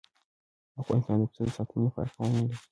افغانستان د پسه د ساتنې لپاره قوانین لري.